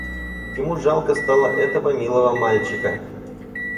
Ему жалко стало этого милого мальчика.